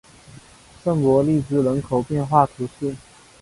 圣博利兹人口变化图示